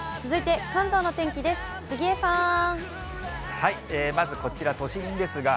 続いて関東の天気です。